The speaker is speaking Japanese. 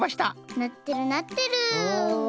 なってるなってる。